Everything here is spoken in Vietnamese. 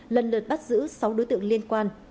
lần lượt bắt giữ sáu đối tượng liên quan